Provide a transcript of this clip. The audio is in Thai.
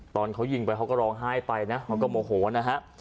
ตอนเขายิงไปเขาก็ร้องไห้ไปนะเขาก็โมโหนะฮะ